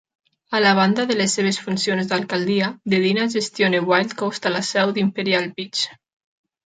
A banda de les seves funcions d'alcaldia, Dedina gestiona Wildcoast a la seu d'Imperial Beach.